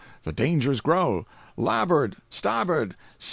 the dangers grow! "Labbord!—stabbord!